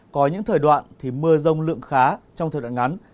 có những thời đoạn thì mưa rông lượng khá trong thời đoạn ngắn